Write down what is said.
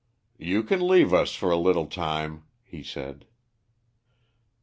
"You can leave us for a little time," he said.